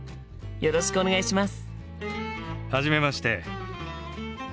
よろしくお願いします。